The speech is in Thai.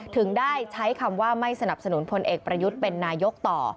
ถึงได้ใช้คำว่าไม่สนับสนุนพลเอกประยุทธ์เป็นนายกต่อ